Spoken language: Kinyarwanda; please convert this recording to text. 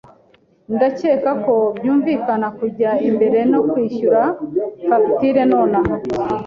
Ndakeka ko byumvikana kujya imbere no kwishyura fagitire nonaha.